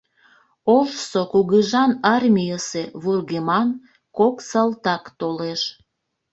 Ожсо кугыжан армийысе вургеман кок салтак толеш.